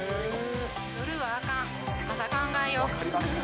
夜はあかん、朝考えよう。